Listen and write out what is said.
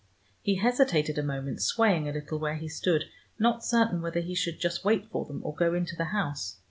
He hesitated a moment, swaying a little where he stood, not certain whether he should just wait for them, or go into the house.